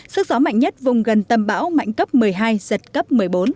sức gió mạnh nhất vùng gần tâm bão mạnh cấp một mươi hai giật cấp một mươi bốn